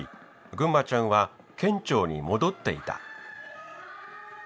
ぐんまちゃんは県庁に戻っていた。